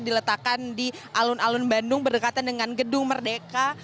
diletakkan di alun alun bandung berdekatan dengan gedung merdeka